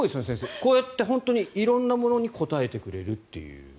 こうやって色んなものに答えてくれるという。